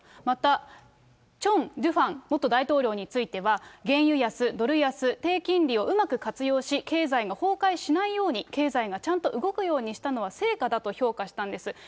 またチョン・ドゥファン元大統領については、原油安、ドル安、低金利をうまく活用し、経済が崩壊しないように、経済がちゃんと動くようにしたのは成果だと評価したんです。